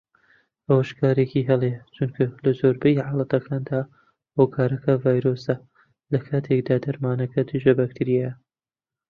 ئەوەش کارێکی هەڵەیە چونکە لە زۆربەی حاڵەتەکاندا هۆکارەکە ڤایرۆسە لەکاتێکدا دەرمانەکە دژە بەکتریایە